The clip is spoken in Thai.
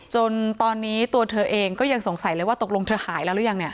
จนตอนนี้ตัวเธอเองก็ยังสงสัยเลยว่าตกลงเธอหายแล้วหรือยังเนี่ย